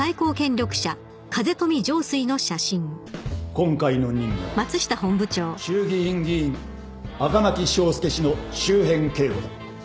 今回の任務は衆議院議員赤巻章介氏の周辺警護だ。